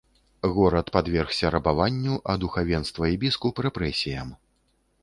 Горад падвергся рабаванню, а духавенства і біскуп рэпрэсіям.